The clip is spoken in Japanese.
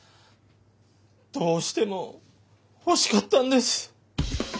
どうしてもほしかったんです。